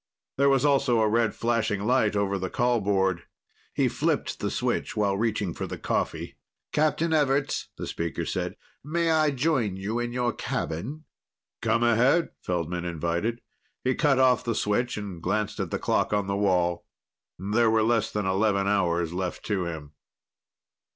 There was also a red flashing light over the call board. He flipped the switch while reaching for the coffee. "Captain Everts," the speaker said. "May I join you in your cabin?" "Come ahead," Feldman invited. He cut off the switch and glanced at the clock on the wall. There were less than eleven hours left to him.